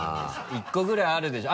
１個ぐらいあるでしょ？